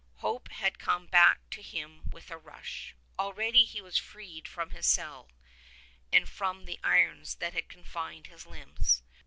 Hope had come back to him with a rush. Already he was freed from his cell, and from the irons that had confined his limbs.